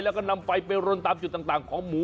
แล้วก็นำไฟไปรนตามจุดต่างของหมู